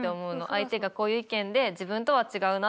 「相手がこういう意見で自分とは違うな。